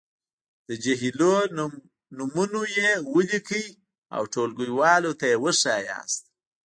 د جهیلونو نومونويې ولیکئ او ټولګیوالو ته یې وښایاست.